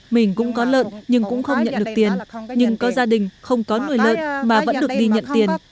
mình cũng có lợn nhưng cũng không nhận được tiền nhưng có gia đình không có người lợn mà vẫn được đi nhận tiền